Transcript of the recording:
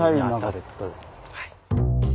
はい。